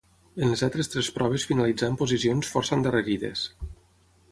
En les altres tres proves finalitzà en posicions força endarrerides.